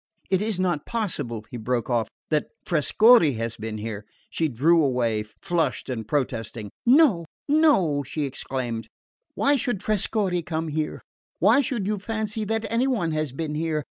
It is not possible," he broke off, "that Trescorre has been here ?" She drew away, flushed and protesting. "No, no," she exclaimed. "Why should Trescorre come here? Why should you fancy that any one has been here?